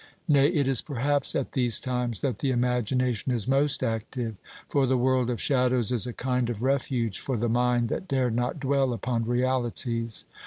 Nay, it is perhaps at these times that the imagination is most active; for the world of shadows is a kind of refuge for the mind that dare not dwell upon realities.